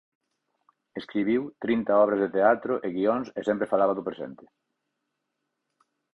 Escribiu trinta obras de teatro e guións e sempre falaba do presente.